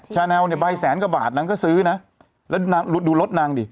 ชาแนลเนี่ยใบแสนกว่าบาทนางก็ซื้อนะแล้วดูรถนางดิ